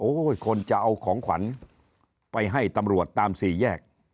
คนจะเอาของขวัญไปให้ตำรวจตามสี่แยก